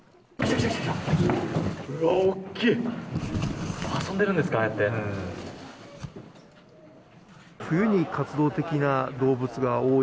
大きい！